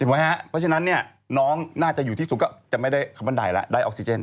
เพราะฉะนั้นน้องน่าจะอยู่ที่สูงก็จะไม่ได้คำบันไดแล้วได้ออกซิเจน